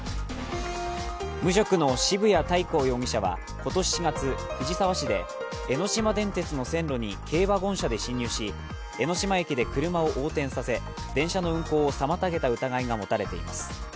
無職の渋谷大皇容疑者は今年４月、藤沢市で江ノ島電鉄の線路に軽ワゴン車で進入し江ノ島駅で車を横転させ電車の運行を妨げた疑いが持たれています。